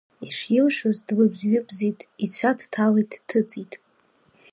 Ишилшоз длыбз-ҩыбзит, ицәа дҭалеит-дҭыҵит.